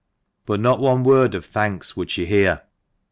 But not one word of thanks would she hear.